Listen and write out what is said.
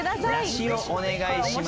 梨をお願いします。